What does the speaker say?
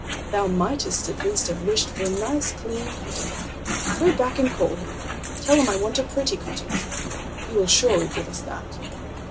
Thou mightest at least have wished for a nice clean cottage. Go back and call him; tell him I want a pretty cottage; he will surely give us that!"